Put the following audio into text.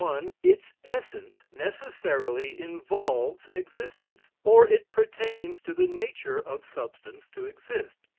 one,) its essence necessarily involves existence; or it pertains to the nature of substance to exist.